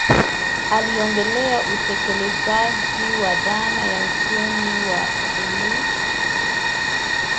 Aliongelea utekelezaji wa dhana ya Uchumi wa buluu